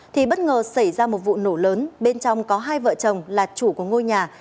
thì bất ngờ xảy ra một vụ nổ lớn bên trong có hai vợ chồng là chủ của ngôi nhà